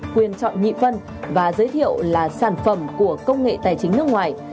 quyền chọn nhị phân và giới thiệu là sản phẩm của công nghệ tài chính nước ngoài